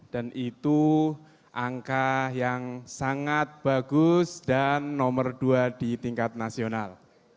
dan itu angka yang sangat bagus dan nomor dua di tingkat nasional